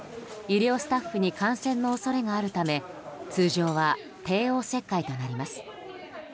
医療スタッフに感染の恐れがあるため通常は帝王切開となります。